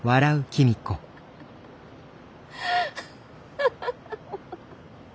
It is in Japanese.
ハハハハハ。